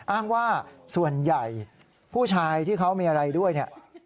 อ้างว่าส่วนใหญ่ผู้ชายที่เขามีอะไรด้วยเนี่ย